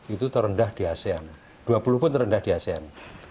itu terendah di asean dua puluh pun terendah di asean